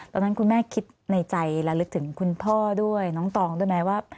คุณแม่คิดในใจและลึกถึงคุณพ่อด้วยน้องตองด้วยไหมว่า